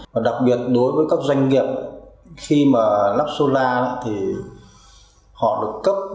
và đặc biệt đối với các doanh nghiệp khi mà lắp solar thì họ được cấp